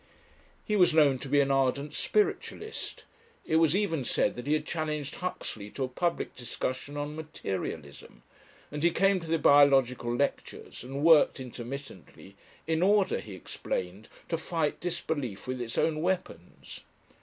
He was known to be an ardent spiritualist it was even said that he had challenged Huxley to a public discussion on materialism, and he came to the biological lectures and worked intermittently, in order, he explained, to fight disbelief with its own weapons.